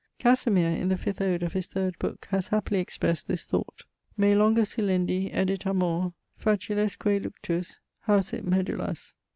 Casimir, in the fifth Ode of his third Book, has happily expressed this thought. Me longus silendi Edit amor, facilesque luctus Hausit medullas.